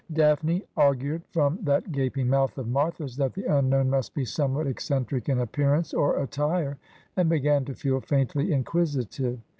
Daphne augured from that gaping mouth of Martha's that the unknown must be somewhat eccentric in appearance or attire, and began to feel faintly inquisitive.